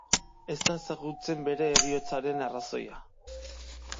Ez da ezagutzen bere heriotzaren arrazoia.